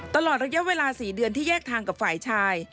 ตลอดระยะเวลา๔เดือนที่แยกทางกับฝ่ายชาย